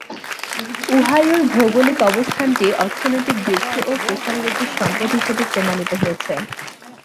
ওহাইওর ভৌগোলিক অবস্থানটি অর্থনৈতিক বৃদ্ধি ও প্রসারের একটি সম্পদ হিসাবে প্রমাণিত হয়েছে।